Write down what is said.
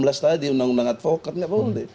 enam belas tahun tadi undang undangan fokker